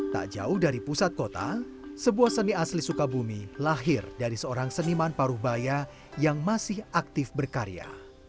tak jauh dari pusat kota sebuah seni asli suka bumi lahir dari seorang seniman paruhbaya yang masih aktif berkarya